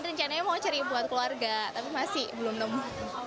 rencananya mau cari buat keluarga tapi masih belum nemu